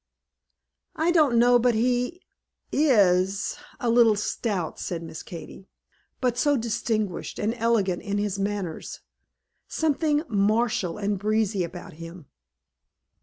"I don't know but he is a little stout," said Miss Katy; "but so distinguished and elegant in his manners, something martial and breezy about him."